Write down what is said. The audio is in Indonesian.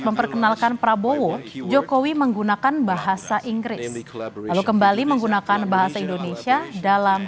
memperkenalkan prabowo jokowi menggunakan bahasa inggris lalu kembali menggunakan bahasa indonesia dalam